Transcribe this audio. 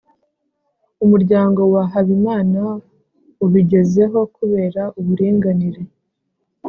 umuryango wa Habimana ubigezeho kubera uburinganire